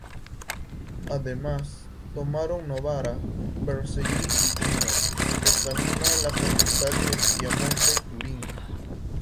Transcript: Además, tomaron Novara, Vercelli y Trino, de camino a la capital del Piamonte: Turín.